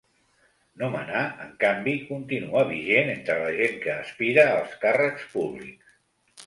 Nomenar, en canvi, continua vigent entre la gent que aspira als càrrecs públics.